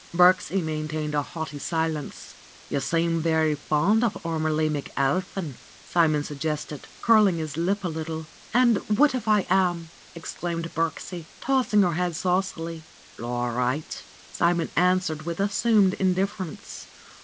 Birksie maintained a haughty silence. ^'You seem very fond of Ormelie McAlpin," Simon suggested, curling his lip a little. ^^And what if I am?" exclaimed Birksie, tossing her head saucily. ^^All right," Simon answered with assumed indiffer ence.